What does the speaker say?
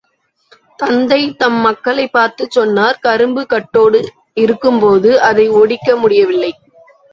தந்தை தம் மக்களைப் பார்த்துச் சொன்னார் கரும்பு கட்டோடு இருக்கும்போது அதை ஒடிக்க முடிய வில்லை.